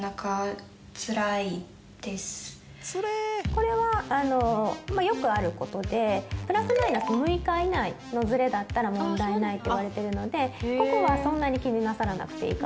これはよくある事でプラスマイナス６日以内のズレだったら問題ないといわれているのでここはそんなに気になさらなくていいかなと思います。